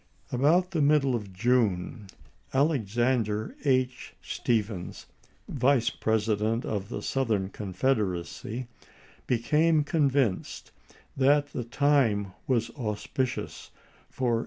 About the middle of June Alexander H. Ste i863. phens, Vice President of the Southern Confederacy, became convinced that the time was auspicious for Vol.